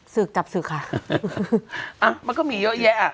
ศึกจับศึกค่ะอ่ะมันก็มีเยอะแยะอ่ะ